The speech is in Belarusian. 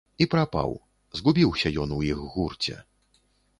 І прапаў, згубіўся ён у іх гурце.